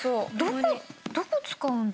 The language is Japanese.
どこ使うんだ？